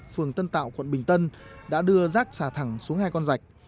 phường tân tạo quận bình tân đã đưa rác xả thẳng xuống hai con rạch